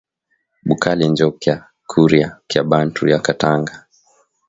Bukali njo kya kurya kya bantu ya katanga